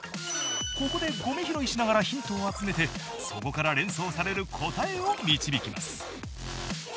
ここでゴミ拾いしながらヒントを集めてそこから連想される答えを導きます。